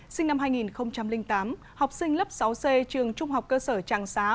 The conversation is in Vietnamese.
sinh năm hai nghìn tám học sinh lớp sáu c trường trung học cơ sở tràng xá